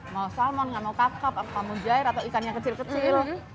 mau salmon gak mau kakap mau jair atau ikan yang kecil kecil